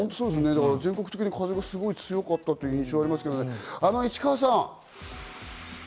全国的に風が強かったという印象ありますけどね、市川さん。